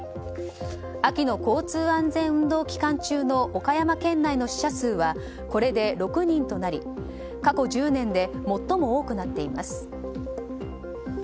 秋の交通安全運動期間中の岡山県内の死者数はこれで６人となり、過去１０年で最も多くなっています。